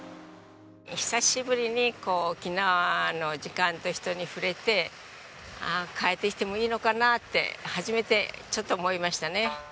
久しぶりに沖縄の時間と人に触れてああ帰ってきてもいいのかなって初めてちょっと思いましたね。